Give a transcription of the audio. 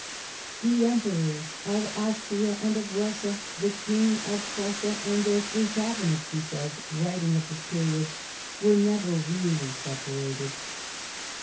"The Emperors of Austria and of Russia, the King of Prussia, and their three cabinets," he says, \writing of this period, " were never really separated."